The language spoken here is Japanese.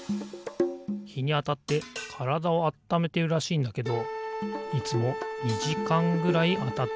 ひにあたってからだをあっためてるらしいんだけどいつも２じかんぐらいあたってんだよなあ。